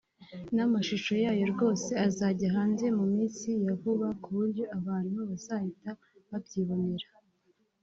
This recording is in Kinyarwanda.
n’amashusho yayo rwose azajya hanze mu minsi ya vuba kuburyo abantu bazahita babyibonera